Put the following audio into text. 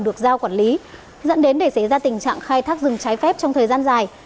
được giao quản lý dẫn đến để xảy ra tình trạng khai thác rừng trái phép trong thời gian dài